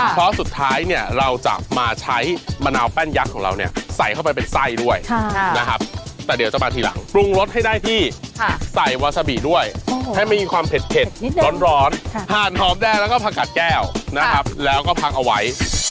เพราะสุดท้ายเนี่ยเราจะมาใช้มะนาวแป้นยักษ์ของเราเนี่ยใส่เข้าไปเป็นไส้ด้วยนะครับแต่เดี๋ยวจะมาทีหลังปรุงรสให้ได้ที่ใส่วาซาบิด้วยให้มันมีความเผ็ดร้อนห่านหอมแดงแล้วก็ผักกัดแก้วนะครับแล้วก็พักเอาไว้